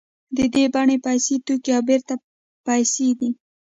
د دې بڼه پیسې توکي او بېرته پیسې دي